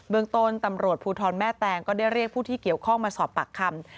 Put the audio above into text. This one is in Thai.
เมืองต้นตำรวจภูทรแม่แตงก็ได้เรียกผู้ที่เกี่ยวข้องมาสอบปากคำ